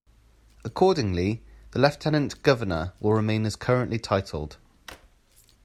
Accordingly, the Lieutenant Governor will remain as currently titled.